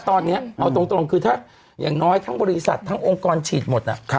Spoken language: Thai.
ตอนนี้เอาตรงคือถ้าอย่างน้อยทั้งบริษัททั้งองค์กรฉีดหมด